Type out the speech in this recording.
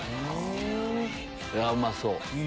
うまそう！